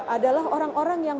adalah orang orang yang